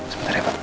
sebentar ya pak